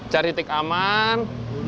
cari titik aman